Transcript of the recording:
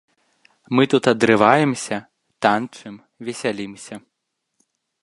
Мы тут адрываемся, танчым, весялімся.